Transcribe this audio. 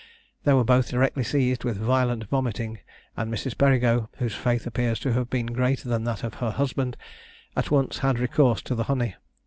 They were both directly seized with violent vomiting, and Mrs. Perigo, whose faith appears to have been greater than that of her husband, at once had recourse to the honey.